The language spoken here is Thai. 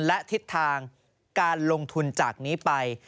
และทิศทางการลงทุนจากนี้ไป